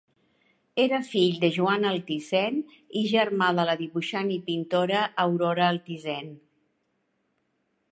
Era fill de Joan Altisent i germà de la dibuixant i pintora Aurora Altisent.